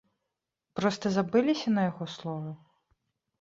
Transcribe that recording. Проста забыліся на яго словы?